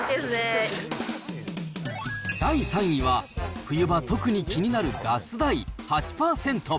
第３位は、冬場、特に気になるガス代８％。